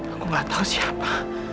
aku nggak tahu siapa